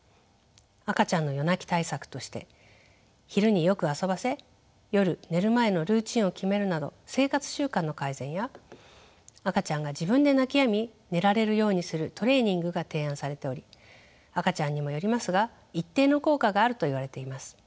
赤ちゃんの夜泣き対策として昼によく遊ばせ夜寝る前のルーチンを決めるなど生活習慣の改善や赤ちゃんが自分で泣きやみ寝られるようにするトレーニングが提案されており赤ちゃんにもよりますが一定の効果があるといわれています。